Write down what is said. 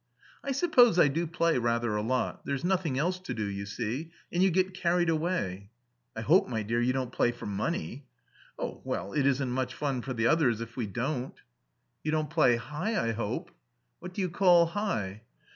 "I suppose I do play rather a lot. There's nothing else to do, you see, and you get carried away." "I hope, my dear, you don't play for money." "Oh, well, it isn't much fun for the others if we don't." "You don't play high, I hope?" "What do you call high?"